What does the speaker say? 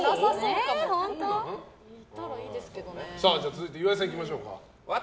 続いて、岩井さんいきましょう。